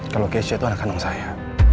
kalau keisha itu anak kandung saya